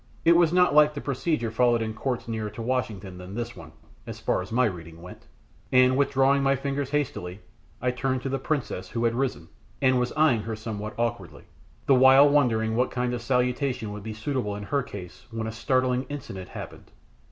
It was not like the procedure followed in Courts nearer to Washington than this one, as far as my reading went, and, withdrawing my fingers hastily, I turned to the princess, who had risen, and was eyeing her somewhat awkwardly, the while wondering what kind of salutation would be suitable in her case when a startling incident happened.